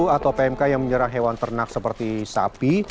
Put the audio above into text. atau pmk yang menyerang hewan ternak seperti sapi